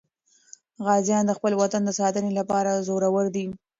غازیان د خپل وطن د ساتنې لپاره زړور دي.